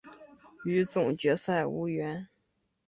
与总决赛无缘。